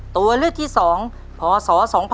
ตัวเลือกที่๒พศ๒๕๖